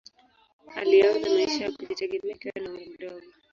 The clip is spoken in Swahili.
Alianza maisha ya kujitegemea akiwa na umri mdogo.